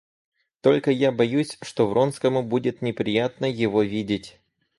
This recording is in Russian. Только я боюсь, что Вронскому будет неприятно его видеть.